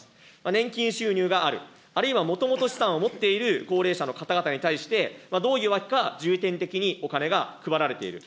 年金収入がある、あるいはもともと資産を持っている高齢者の方々に対して、どういうわけか、重点的にお金が配られている。